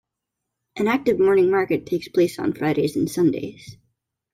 An active morning market takes place on Fridays and Sundays.